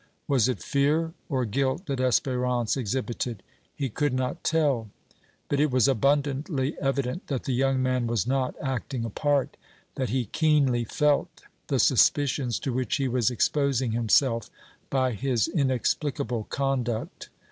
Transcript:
Was it fear or guilt that Espérance exhibited? He could not tell; but it was abundantly evident that the young man was not acting a part, that he keenly felt the suspicions to which he was exposing himself by his inexplicable conduct.